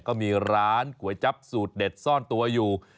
ก็มีร้านก๋วยจั๊บสูตรเด็ดซ่อนตัวอยู่